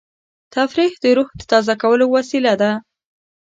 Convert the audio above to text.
تفریح د روح د تازه کولو وسیله ده.